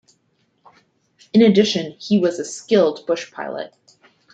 In addition, he was a skilled bush pilot.